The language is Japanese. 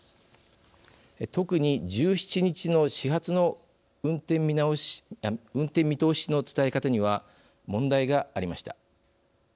特に１７日の始発の運転見通しの伝え方には問題がありました。